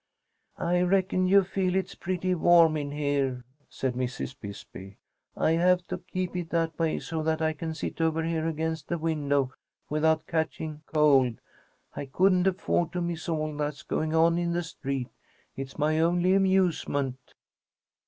"I reckon you feel it's pretty warm in here," said Mrs. Bisbee. "I have to keep it that way so that I can sit over here against the window without catching cold. I couldn't afford to miss all that's going on in the street. It's my only amusement."